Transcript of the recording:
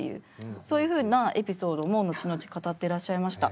そういうふうなエピソードも後々語ってらっしゃいました。